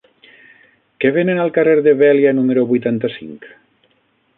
Què venen al carrer de Vèlia número vuitanta-cinc?